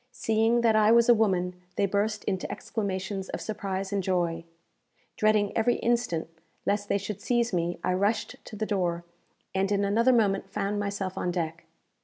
Seeing that I was a woman, they burst into exclamations of surprise and joy. Dreading every instant lest they should seize me, I rushed to the door, and in another moment found myself on deck.